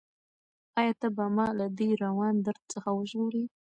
ایا ته به ما له دې روان درد څخه وژغورې؟